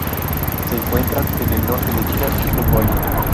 Se encuentran en el norte de China y Mongolia.